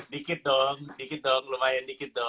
saya orang sunda tapi kok nggak nyampe ke bodor